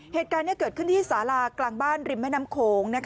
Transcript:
เหตุการณ์นี้เกิดขึ้นที่สารากลางบ้านริมแม่น้ำโขง